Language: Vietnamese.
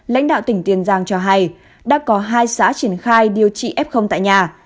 lãnh đạo tỉnh tiền giang cho hay đã có hai xã triển khai điều trị f tại nhà